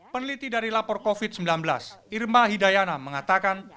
peneliti dari lapor covid sembilan belas irma hidayana mengatakan